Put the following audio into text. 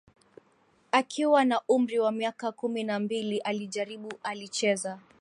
Akiwa na umri wa miaka kumi na mbili alijaribu alicheza